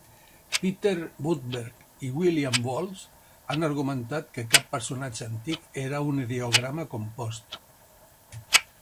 Peter Boodberg i William Boltz han argumentat que cap personatge antic era un ideograma compost.